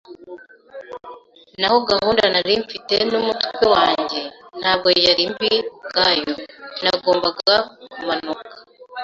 Naho gahunda nari mfite mumutwe wanjye, ntabwo yari mbi ubwayo. Nagombaga kumanuka